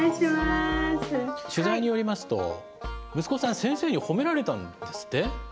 取材によりますと息子さん先生に褒められたんですって？